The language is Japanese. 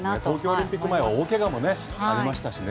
オリンピック前は大怪我もありましたしね。